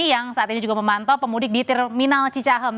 yang saat ini juga memantau pemudik di terminal cicahem